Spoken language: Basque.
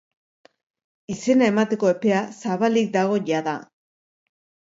Izena emateko epea zabalik dago jada.